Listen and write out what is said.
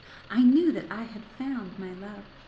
I knew that I had found my love!